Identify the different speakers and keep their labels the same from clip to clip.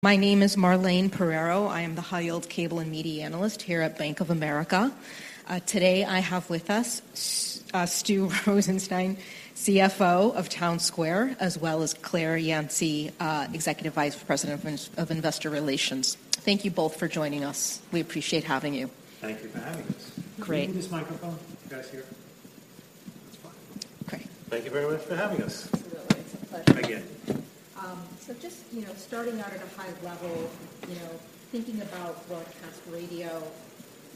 Speaker 1: My name is Marlene Pereiro. I am the High Yield Cable and Media Analyst here at Bank of America. Today, I have with us Stu Rosenstein, CFO of Townsquare, as well as Claire Yenicay, Executive Vice President of Investor Relations. Thank you both for joining us. We appreciate having you.
Speaker 2: Thank you for having us.
Speaker 1: Great.
Speaker 2: Can you give me this microphone? You guys hear? That's fine.
Speaker 1: Okay.
Speaker 2: Thank you very much for having us.
Speaker 1: Absolutely. It's a pleasure.
Speaker 2: Thank you.
Speaker 1: So just, you know, starting out at a high level, you know, thinking about broadcast radio,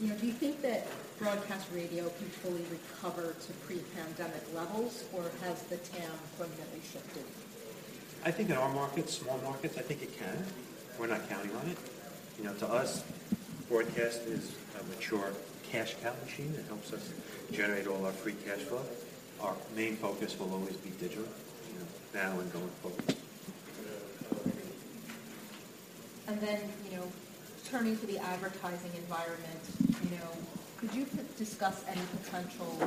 Speaker 1: you know, do you think that broadcast radio can fully recover to pre-pandemic levels, or has the town fundamentally shifted?
Speaker 2: I think in our markets, small markets, I think it can. We're not counting on it. You know, to us, broadcast is a mature cash cow machine that helps us generate all our free cash flow. Our main focus will always be digital, you know, now and going forward. Yeah. Okay.
Speaker 1: Then, you know, turning to the advertising environment, you know, could you discuss any potential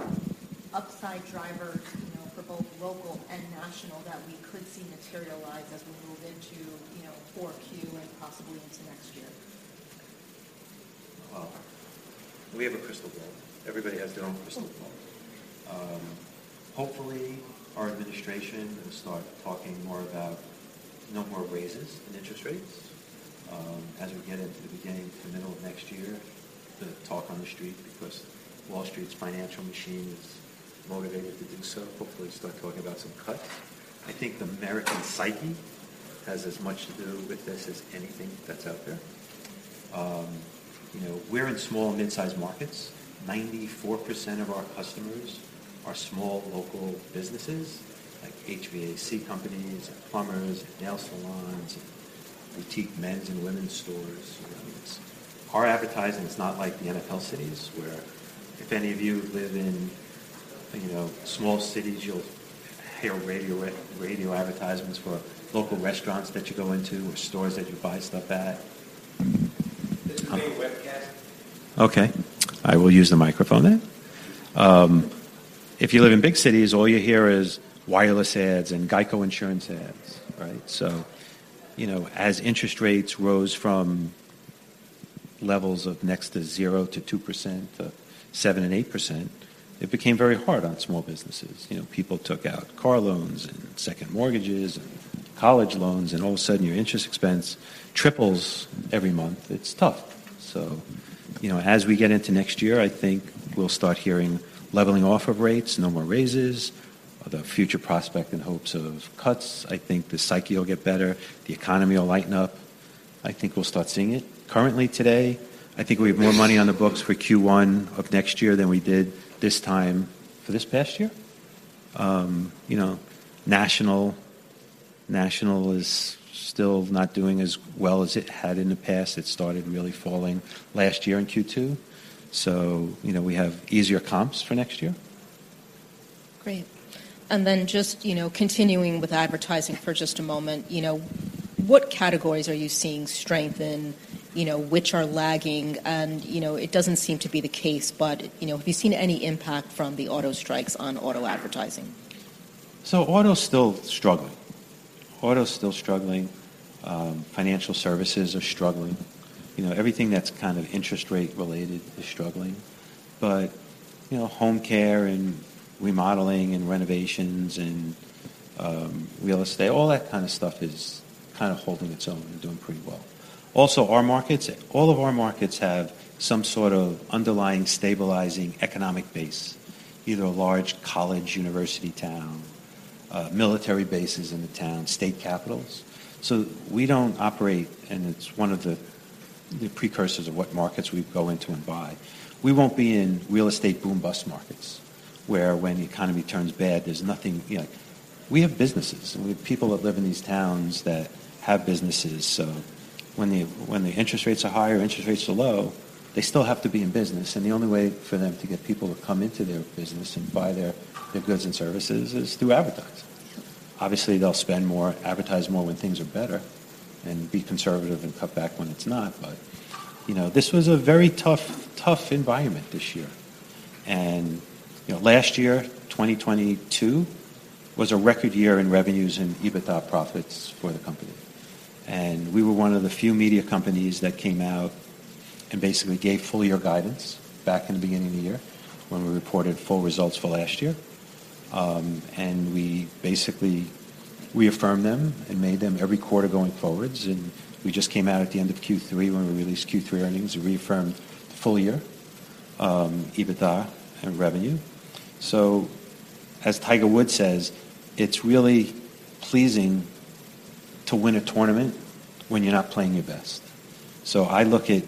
Speaker 1: upside drivers, you know, for both local and national that we could see materialize as we move into, you know, 4Q and possibly into next year?
Speaker 2: Well, we have a crystal ball. Everybody has their own crystal ball. Hopefully, our administration will start talking more about no more raises in interest rates. As we get into the beginning to the middle of next year, the talk on the street, because Wall Street's financial machine is motivated to do so, hopefully start talking about some cuts. I think the American psyche has as much to do with this as anything that's out there. You know, we're in small and mid-sized markets. 94% of our customers are small, local businesses, like HVAC companies, and plumbers, and nail salons, and boutique men's and women's stores. You know, it's... Our advertising is not like the NFL cities, where if any of you live in, you know, small cities, you'll hear radio advertisements for local restaurants that you go into or stores that you buy stuff at. This is a webcast. Okay, I will use the microphone then. If you live in big cities, all you hear is wireless ads and GEICO insurance ads, right? So, you know, as interest rates rose from levels of next to zero to 2% to 7%-8%, it became very hard on small businesses. You know, people took out car loans, and second mortgages, and college loans, and all of a sudden, your interest expense triples every month. It's tough. So, you know, as we get into next year, I think we'll start hearing leveling off of rates, no more raises, the future prospect and hopes of cuts. I think the psyche will get better. The economy will lighten up. I think we'll start seeing it. Currently, today, I think we have more money on the books for Q1 of next year than we did this time for this past year. You know, national, national is still not doing as well as it had in the past. It started really falling last year in Q2, so, you know, we have easier comps for next year.
Speaker 1: Great. And then just, you know, continuing with advertising for just a moment, you know, what categories are you seeing strengthen? You know, which are lagging? And, you know, it doesn't seem to be the case, but, you know, have you seen any impact from the auto strikes on auto advertising?
Speaker 2: So auto's still struggling. Auto's still struggling. Financial services are struggling. You know, everything that's kind of interest rate related is struggling. But, you know, home care, and remodeling, and renovations, and real estate, all that kind of stuff is kind of holding its own and doing pretty well. Also, our markets, all of our markets have some sort of underlying, stabilizing economic base, either a large college, university town, military bases in the town, state capitals. So we don't operate. And it's one of the precursors of what markets we go into and buy. We won't be in real estate boom-bust markets, where when the economy turns bad, there's nothing, you know. We have businesses. We have people that live in these towns that have businesses. So when the interest rates are high or interest rates are low, they still have to be in business, and the only way for them to get people to come into their business and buy their, their goods and services is through advertising. Obviously, they'll spend more, advertise more when things are better and be conservative and cut back when it's not. But, you know, this was a very tough, tough environment this year. And, you know, last year, 2022, was a record year in revenues and EBITDA profits for the company. And we were one of the few media companies that came out and basically gave full year guidance back in the beginning of the year when we reported full results for last year. And we basically reaffirmed them and made them every quarter going forwards, and we just came out at the end of Q3. When we released Q3 earnings, we reaffirmed the full year EBITDA and revenue. So as Tiger Woods says, "It's really pleasing to win a tournament when you're not playing your best." So I look at,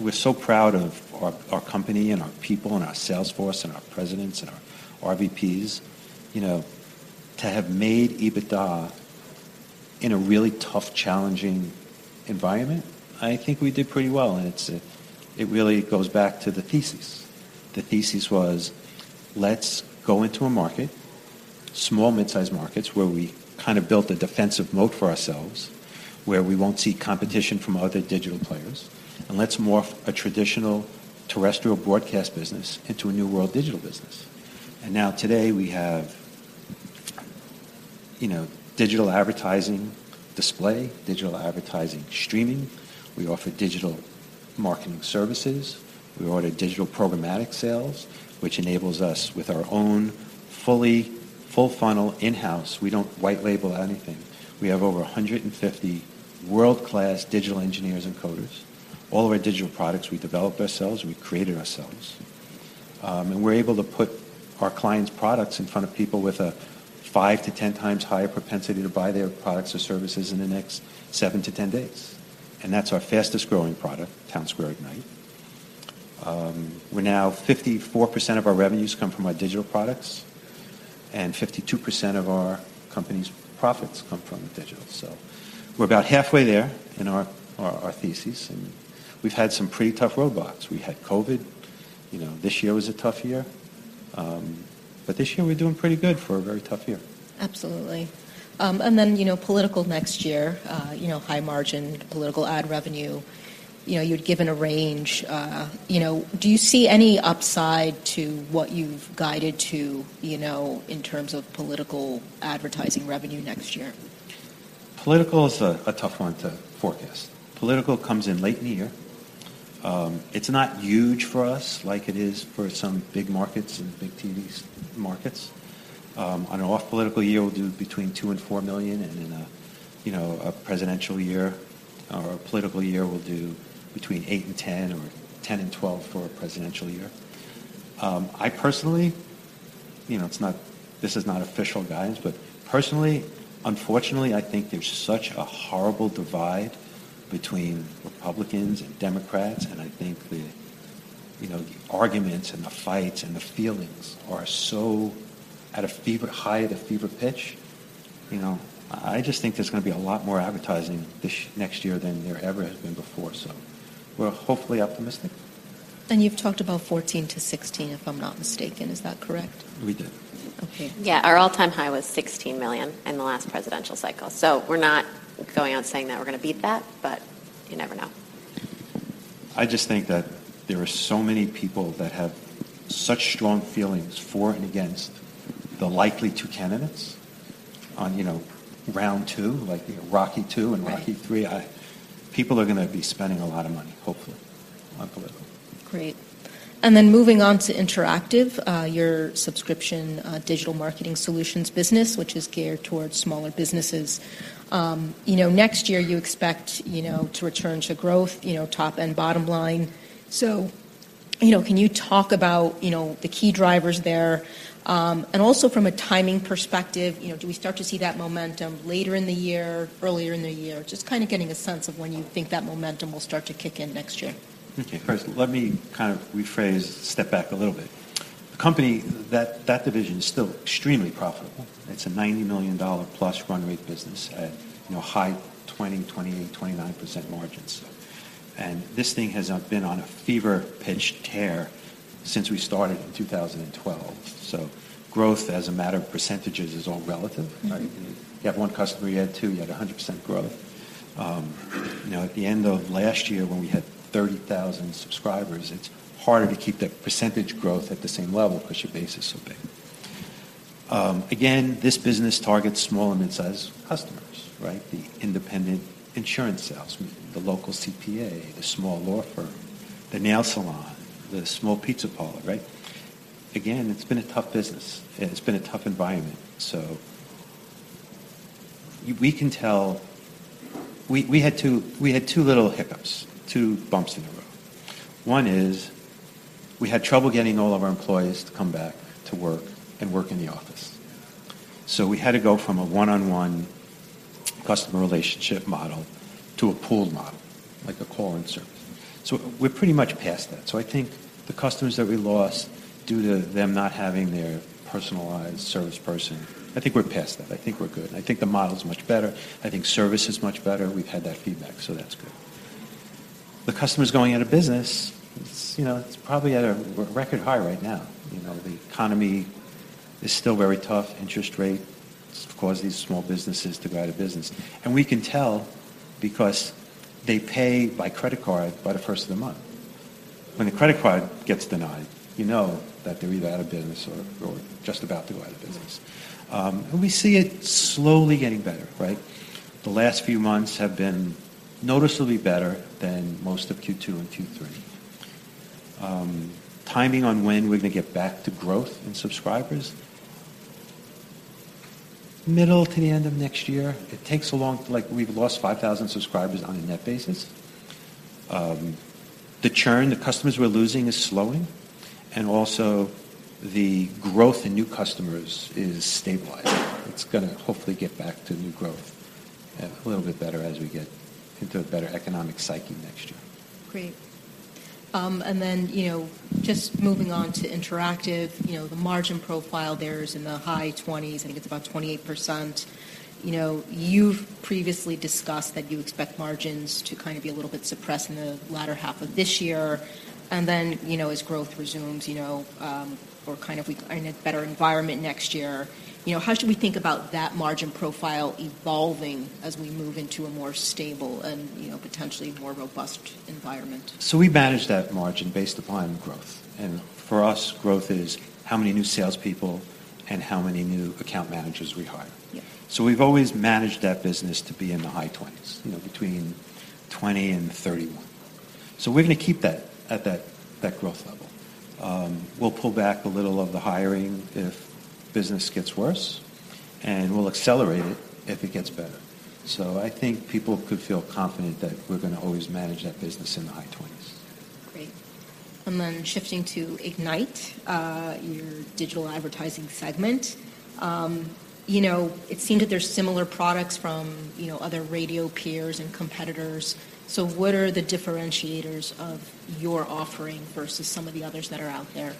Speaker 2: we're so proud of our, our company, and our people, and our sales force, and our presidents, and our RVPs. You know, to have made EBITDA in a really tough, challenging environment, I think we did pretty well, and it really goes back to the thesis. The thesis was: Let's go into a market, small, mid-sized markets, where we kind of built a defensive moat for ourselves, where we won't see competition from other digital players, and let's morph a traditional terrestrial broadcast business into a new world digital business. And now, today, we have—you know, digital advertising display, digital advertising streaming. We offer digital marketing services. We offer digital programmatic sales, which enables us with our own full-funnel in-house. We don't white label anything. We have over 150 world-class digital engineers and coders. All of our digital products, we developed ourselves, we created ourselves. And we're able to put our clients' products in front of people with a 5x-10x higher propensity to buy their products or services in the next seven-10 days, and that's our fastest-growing product, Townsquare Ignite. We're now 54% of our revenues come from our digital products, and 52% of our company's profits come from digital. So we're about halfway there in our thesis, and we've had some pretty tough roadblocks. We had COVID. You know, this year was a tough year, but this year we're doing pretty good for a very tough year.
Speaker 1: Absolutely. And then, you know, political next year, you know, high margin political ad revenue, you know, you'd given a range. You know, do you see any upside to what you've guided to, you know, in terms of political advertising revenue next year?
Speaker 2: Political is a tough one to forecast. Political comes in late in the year. It's not huge for us like it is for some big markets and big TV markets. On an off political year, we'll do between $2 million and $4 million, and in a, you know, a presidential year or a political year, we'll do between $8 million and $10 million or $10 million and $12 million for a presidential year. I personally... You know, it's not- this is not official guidance, but personally, unfortunately, I think there's such a horrible divide between Republicans and Democrats, and I think the, you know, the arguments and the fights and the feelings are so at a fever high, at a fever pitch. You know, I just think there's gonna be a lot more advertising this- next year than there ever has been before, so we're hopefully optimistic.
Speaker 1: You've talked about $14 million-$16 million, if I'm not mistaken. Is that correct?
Speaker 2: We did.
Speaker 1: Okay.
Speaker 3: Yeah. Our all-time high was $16 million in the last presidential cycle. So we're not going out and saying that we're gonna beat that, but you never know.
Speaker 2: I just think that there are so many people that have such strong feelings for and against the likely two candidates on, you know, round two, like Rocky II and Rocky III.
Speaker 3: Right.
Speaker 2: People are gonna be spending a lot of money, hopefully, on political.
Speaker 1: Great. And then moving on to Interactive, your subscription, digital marketing solutions business, which is geared towards smaller businesses. You know, next year you expect, you know, to return to growth, you know, top and bottom line. So, you know, can you talk about, you know, the key drivers there? And also from a timing perspective, you know, do we start to see that momentum later in the year, earlier in the year? Just kind of getting a sense of when you think that momentum will start to kick in next year.
Speaker 2: Okay. First, let me kind of rephrase, step back a little bit. The company, that, that division is still extremely profitable. It's a $90 million+ run rate business at, you know, high 20%, 28%, 29% margins. And this thing has been on a fever-pitched tear since we started in 2012. So growth, as a matter of percentages, is all relative, right?
Speaker 1: Mm-hmm.
Speaker 2: If you have one customer, you add two, you had a 100% growth. You know, at the end of last year, when we had 30,000 subscribers, it's harder to keep that percentage growth at the same level 'cause your base is so big. Again, this business targets small- and midsize customers, right? The independent insurance salesman, the local CPA, the small law firm, the nail salon, the small pizza parlor, right? Again, it's been a tough business, and it's been a tough environment. So we can tell... We had two little hiccups, two bumps in the road. One is we had trouble getting all of our employees to come back to work and work in the office. So we had to go from a one-on-one customer relationship model to a pooled model, like a call-in service. So we're pretty much past that. So I think the customers that we lost due to them not having their personalized service person, I think we're past that. I think we're good. I think the model is much better. I think service is much better. We've had that feedback, so that's good. The customers going out of business, it's, you know, it's probably at a record high right now. You know, the economy is still very tough. Interest rate has caused these small businesses to go out of business. We can tell because they pay by credit card by the first of the month. When the credit card gets denied, you know that they're either out of business or, or just about to go out of business.
Speaker 1: Right.
Speaker 2: And we see it slowly getting better, right? The last few months have been noticeably better than most of Q2 and Q3. Timing on when we're gonna get back to growth in subscribers, middle to the end of next year. It takes a long... Like, we've lost 5,000 subscribers on a net basis. The churn, the customers we're losing is slowing, and also the growth in new customers is stabilizing. It's gonna hopefully get back to new growth and a little bit better as we get into a better economic psyche next year.
Speaker 1: Great. And then, you know, just moving on to Interactive, you know, the margin profile there is in the high twenties, I think it's about 28%. You know, you've previously discussed that you expect margins to kind of be a little bit suppressed in the latter half of this year, and then, you know, as growth resumes, you know, we're kind of in a better environment next year. You know, how should we think about that margin profile evolving as we move into a more stable and, you know, potentially more robust environment?
Speaker 2: So we manage that margin based upon growth, and for us, growth is how many new salespeople and how many new account managers we hire.
Speaker 1: Yeah.
Speaker 2: We've always managed that business to be in the high 20s, you know, between 20 and 31. So we're gonna keep that at that, that growth level. We'll pull back a little of the hiring if business gets worse, and we'll accelerate it if it gets better. So I think people could feel confident that we're gonna always manage that business in the high 20s.
Speaker 1: Great. And then shifting to Ignite, your digital advertising segment. You know, it seemed that there's similar products from, you know, other radio peers and competitors. So what are the differentiators of your offering versus some of the others that are out there?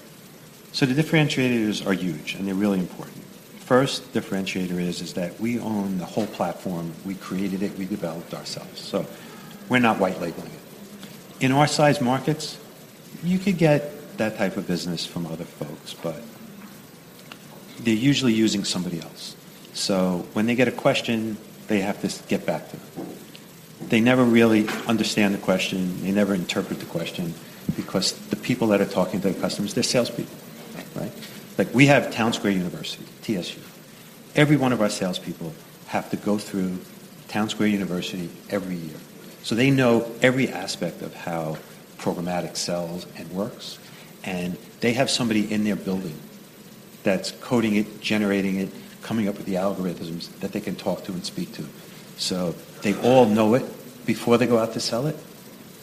Speaker 2: So the differentiators are huge, and they're really important. First differentiator is that we own the whole platform. We created it, we developed ourselves, so we're not white labeling it. In our size markets, you could get that type of business from other folks, but they're usually using somebody else. So when they get a question, they have to get back to them. They never really understand the question, they never interpret the question, because the people that are talking to the customers, they're salespeople.
Speaker 1: Right.
Speaker 2: Right? Like, we have Townsquare University, TSU. Every one of our salespeople have to go through Townsquare University every year. So they know every aspect of how programmatic sells and works, and they have somebody in their building that's coding it, generating it, coming up with the algorithms that they can talk to and speak to. So they all know it before they go out to sell it.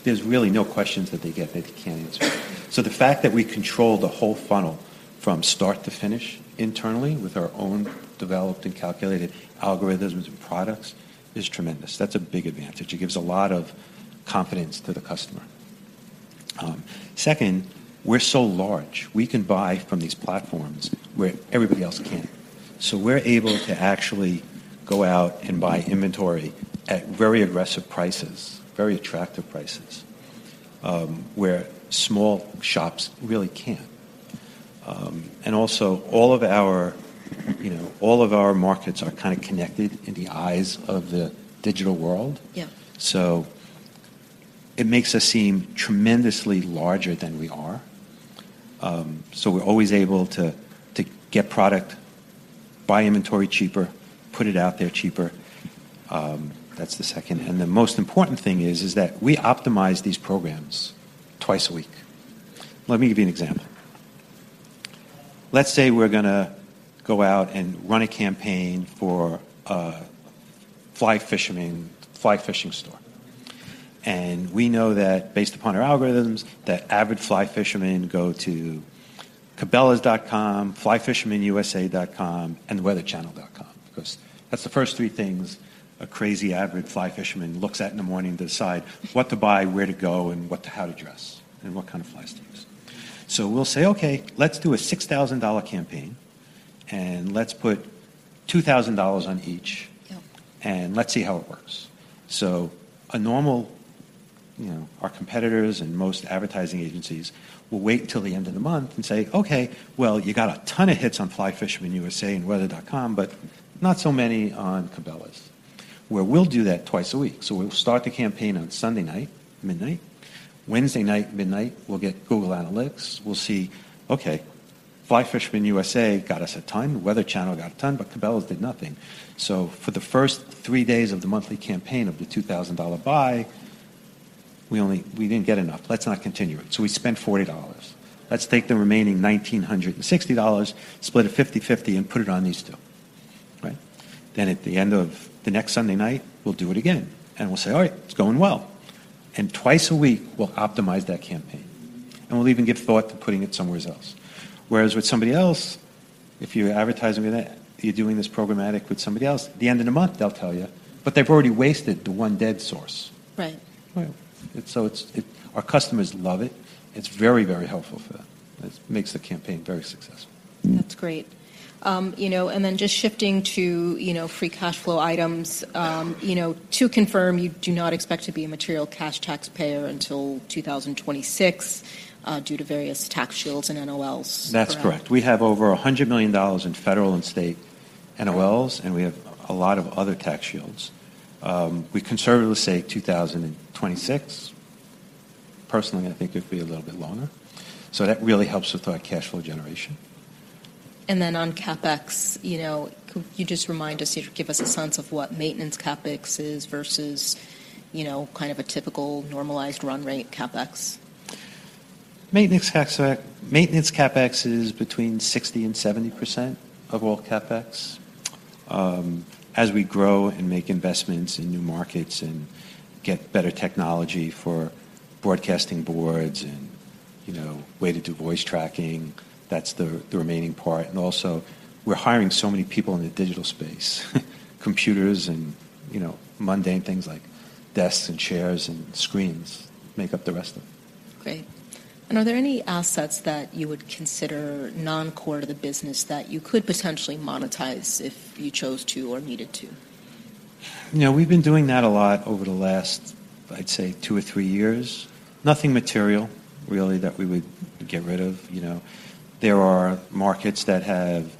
Speaker 2: There's really no questions that they get that they can't answer. So the fact that we control the whole funnel from start to finish internally, with our own developed and calculated algorithms and products, is tremendous. That's a big advantage. It gives a lot of confidence to the customer. Second, we're so large. We can buy from these platforms where everybody else can't. So we're able to actually go out and buy inventory at very aggressive prices, very attractive prices, where small shops really can't. And also all of our, you know, all of our markets are kinda connected in the eyes of the digital world.
Speaker 1: Yeah.
Speaker 2: So it makes us seem tremendously larger than we are. So we're always able to get product, buy inventory cheaper, put it out there cheaper. That's the second. And the most important thing is that we optimize these programs twice a week. Let me give you an example. Let's say we're gonna go out and run a campaign for a fly fisherman, fly fishing store. And we know that, based upon our algorithms, that avid fly fishermen go to Cabelas.com, flyfishermenusa.com, and weatherchannel.com, 'cause that's the first three things a crazy, avid fly fisherman looks at in the morning to decide what to buy, where to go, and how to dress, and what kind of flies to use. So we'll say, "Okay, let's do a $6,000 campaign, and let's put $2,000 on each-
Speaker 1: Yep...
Speaker 2: and let's see how it works." So a normal, you know, our competitors and most advertising agencies will wait until the end of the month and say, "Okay, well, you got a ton of hits on Fly Fisherman USA and weather.com, but not so many on Cabela's." Where we'll do that twice a week. So we'll start the campaign on Sunday night, midnight. Wednesday night, midnight, we'll get Google Analytics. We'll see, okay, Fly Fisherman USA got us a ton, The Weather Channel got a ton, but Cabela's did nothing. So for the first three days of the monthly campaign of the $2,000 buy, we only-- we didn't get enough. Let's not continue it. So we spent $40. Let's take the remaining $1,960, split it 50/50, and put it on these two. Right? Then, at the end of the next Sunday night, we'll do it again, and we'll say, "All right, it's going well." And twice a week, we'll optimize that campaign, and we'll even give thought to putting it somewheres else. Whereas with somebody else, if you're advertising with a... You're doing this programmatic with somebody else, the end of the month, they'll tell you, but they've already wasted the one dead source.
Speaker 1: Right.
Speaker 2: Right. So it's. Our customers love it. It's very, very helpful for them. It makes the campaign very successful.
Speaker 1: That's great. You know, and then just shifting to, you know, free cash flow items. You know, to confirm, you do not expect to be a material cash taxpayer until 2026, due to various tax shields and NOLs. Correct?
Speaker 2: That's correct. We have over $100 million in federal and state NOLs, and we have a lot of other tax shields. We conservatively say 2026. Personally, I think it'll be a little bit longer, so that really helps with our cash flow generation.
Speaker 1: On CapEx, you know, could you just remind us, give us a sense of what maintenance CapEx is versus, you know, kind of a typical normalized run rate CapEx?
Speaker 2: Maintenance CapEx, Maintenance CapEx is between 60% and 70% of all CapEx. As we grow and make investments in new markets and get better technology for broadcasting boards and, you know, way to do voice tracking, that's the remaining part. And also, we're hiring so many people in the digital space. Computers and, you know, mundane things like desks and chairs and screens make up the rest of it.
Speaker 1: Great. Are there any assets that you would consider non-core to the business that you could potentially monetize if you chose to or needed to?
Speaker 2: You know, we've been doing that a lot over the last, I'd say, two or three years. Nothing material, really, that we would get rid of, you know. There are markets that have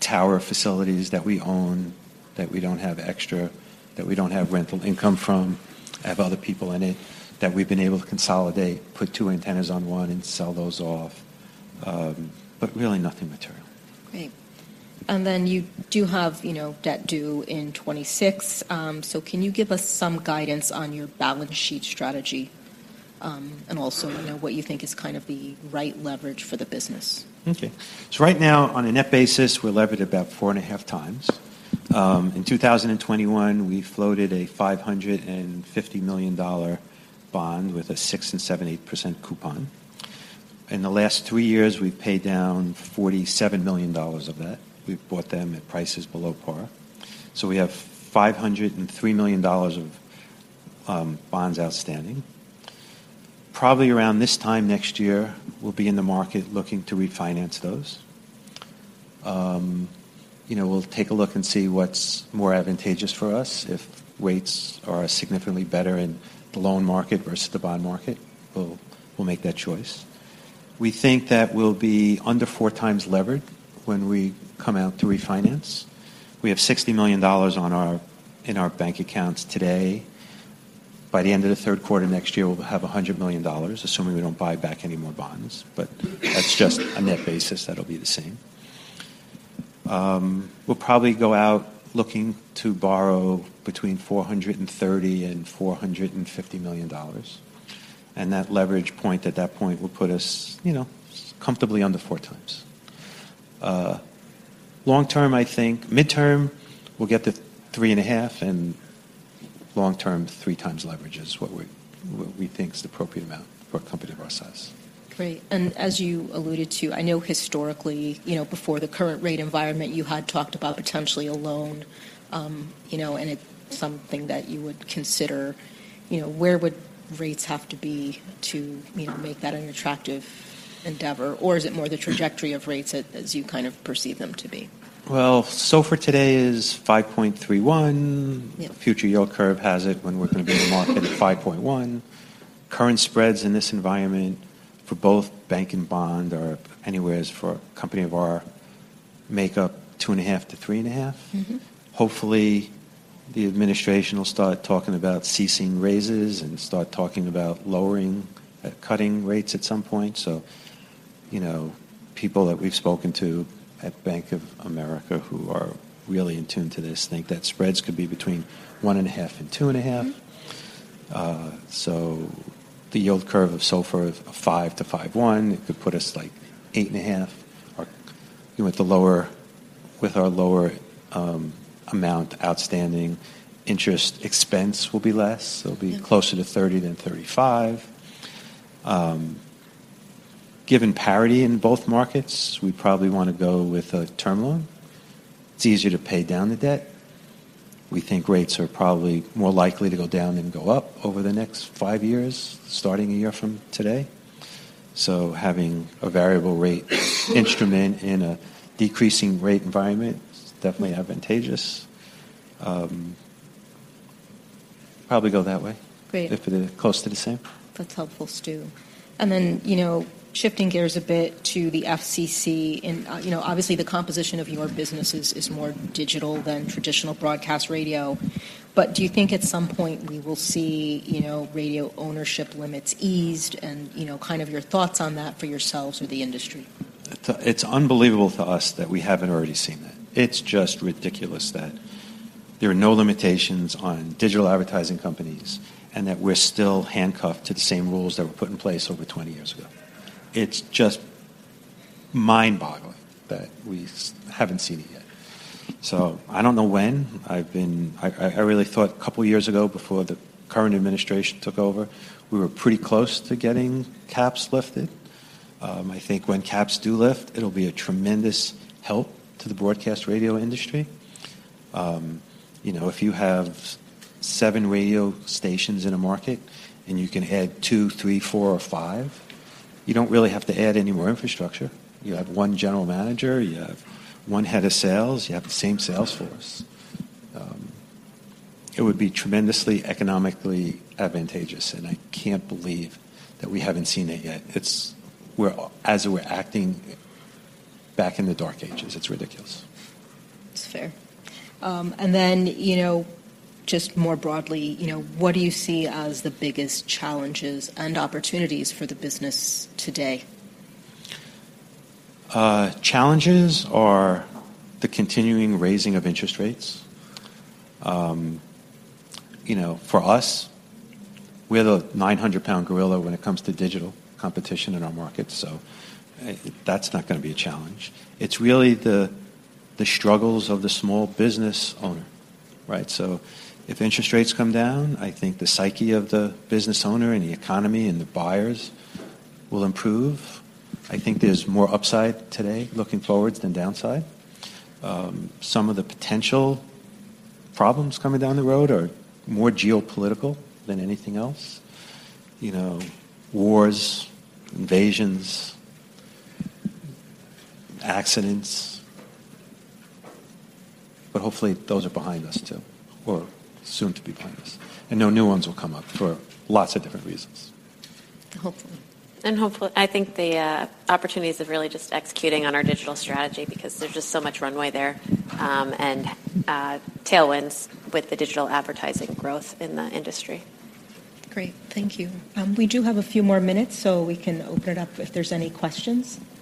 Speaker 2: tower facilities that we own, that we don't have extra, that we don't have rental income from, have other people in it, that we've been able to consolidate, put two antennas on one and sell those off. But really nothing material.
Speaker 1: Great. And then you do have, you know, debt due in 2026. So can you give us some guidance on your balance sheet strategy, and also, you know, what you think is kind of the right leverage for the business?
Speaker 2: Okay. So right now, on a net basis, we're levered about 4.5x. In 2021, we floated a $550 million bond with a 6.70% coupon. In the last three years, we've paid down $47 million of that. We've bought them at prices below par. So we have $503 million of bonds outstanding. Probably around this time next year, we'll be in the market looking to refinance those. You know, we'll take a look and see what's more advantageous for us. If rates are significantly better in the loan market versus the bond market, we'll, we'll make that choice. We think that we'll be under 4 times levered when we come out to refinance. We have $60 million on our, in our bank accounts today. By the end of the third quarter next year, we'll have $100 million, assuming we don't buy back any more bonds. But that's just on net basis, that'll be the same. We'll probably go out looking to borrow between $430 million and $450 million, and that leverage point at that point will put us, you know, comfortably under 4x. Long term, I think... Midterm, we'll get to 3.5x, and long term, 3x leverage is what we, what we think is the appropriate amount for a company of our size.
Speaker 1: Great. And as you alluded to, I know historically, you know, before the current rate environment, you had talked about potentially a loan, you know, and it's something that you would consider. You know, where would rates have to be to, you know, make that an attractive endeavor? Or is it more the trajectory of rates as you kind of perceive them to be?
Speaker 2: Well, SOFR today is 5.31.
Speaker 1: Yeah.
Speaker 2: Future yield curve has it when we're gonna be in the market at 5.1. Current spreads in this environment for both bank and bond are anywhere, as for a company of our makeup, 2.5-3.5.
Speaker 1: Mm-hmm.
Speaker 2: Hopefully, the administration will start talking about ceasing raises and start talking about lowering, cutting rates at some point. So, you know, people that we've spoken to at Bank of America who are really in tune to this think that spreads could be between 1.5 and 2.5.
Speaker 1: Mm-hmm.
Speaker 2: So the yield curve so far of 5-5.1, it could put us, like, 8.5. Or, you know, with our lower amount outstanding, interest expense will be less.
Speaker 1: Yeah.
Speaker 2: It'll be closer to 30 than 35. Given parity in both markets, we probably wanna go with a term loan. It's easier to pay down the debt. We think rates are probably more likely to go down than go up over the next five years, starting a year from today. So having a variable rate instrument in a decreasing rate environment is definitely advantageous. Probably go that way.
Speaker 1: Great...
Speaker 2: if they're close to the same.
Speaker 1: That's helpful, Stu.
Speaker 2: Yeah.
Speaker 1: Then, you know, shifting gears a bit to the FCC, and, you know, obviously, the composition of your businesses is more digital than traditional broadcast radio. Do you think at some point we will see, you know, radio ownership limits eased and, you know, kind of your thoughts on that for yourselves or the industry?
Speaker 2: It's unbelievable to us that we haven't already seen it. It's just ridiculous that there are no limitations on digital advertising companies, and that we're still handcuffed to the same rules that were put in place over 20 years ago. It's just mind-boggling that we haven't seen it yet. So I don't know when. I've really thought a couple of years ago, before the current administration took over, we were pretty close to getting caps lifted. I think when caps do lift, it'll be a tremendous help to the broadcast radio industry. You know, if you have seven radio stations in a market, and you can add two, three, four, or five, you don't really have to add any more infrastructure. You have one general manager, you have one head of sales, you have the same sales force. It would be tremendously economically advantageous, and I can't believe that we haven't seen it yet. It's as we're acting back in the dark ages, it's ridiculous.
Speaker 1: It's fair. Then, you know, just more broadly, you know, what do you see as the biggest challenges and opportunities for the business today?
Speaker 2: Challenges are the continuing raising of interest rates. You know, for us, we're the 900-pound gorilla when it comes to digital competition in our market, so, that's not gonna be a challenge. It's really the, the struggles of the small business owner, right? So if interest rates come down, I think the psyche of the business owner and the economy and the buyers will improve. I think there's more upside today, looking forward, than downside. Some of the potential problems coming down the road are more geopolitical than anything else. You know, wars, invasions, accidents, but hopefully, those are behind us, too, or soon to be behind us. And no new ones will come up for lots of different reasons.
Speaker 1: Hopefully.
Speaker 3: Hopefully... I think the opportunities of really just executing on our digital strategy because there's just so much runway there, and tailwinds with the digital advertising growth in the industry.
Speaker 1: Great. Thank you. We do have a few more minutes, so we can open it up if there's any questions. Okay, I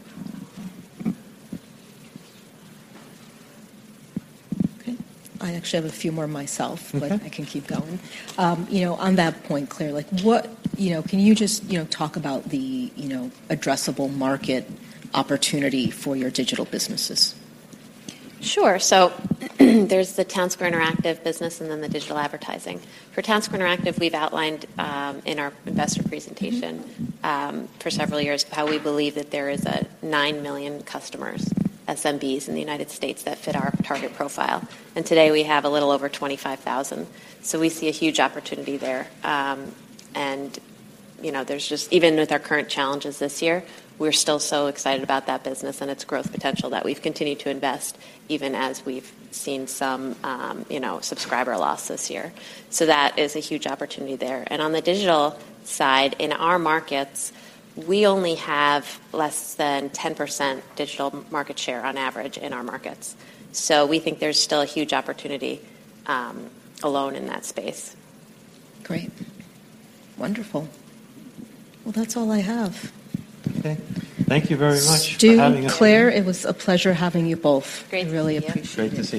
Speaker 1: actually have a few more myself-
Speaker 2: Mm-hmm...
Speaker 1: but I can keep going. You know, on that point, Claire, like, what... You know, can you just, you know, talk about the, you know, addressable market opportunity for your digital businesses?
Speaker 3: Sure. So, there's the Townsquare Interactive business and then the digital advertising. For Townsquare Interactive, we've outlined in our investor presentation- Mm-hmm... for several years, how we believe that there is, nine million customers, SMBs, in the United States that fit our target profile, and today we have a little over 25,000. So we see a huge opportunity there. And, you know, there's just even with our current challenges this year, we're still so excited about that business and its growth potential that we've continued to invest, even as we've seen some, you know, subscriber loss this year. So that is a huge opportunity there. And on the digital side, in our markets, we only have less than 10% digital market share on average in our markets. So we think there's still a huge opportunity, alone in that space.
Speaker 1: Great. Wonderful. Well, that's all I have.
Speaker 2: Okay. Thank you very much for having us.
Speaker 1: Stu, Claire, it was a pleasure having you both.
Speaker 3: Great. I really appreciate it.
Speaker 2: Great to see you.